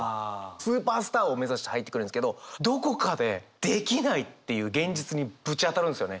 スーパースターを目指して入ってくるんですけどどこかでできないっていう現実にぶち当たるんですよね。